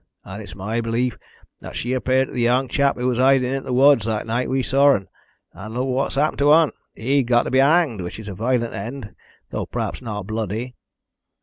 And it's my belief that she appeared to the young chap who was hidin' in th' woods the night we saw un. And look what's happened to un! He's got to be hanged, which is a violent end, thow p'r'aps not bloody."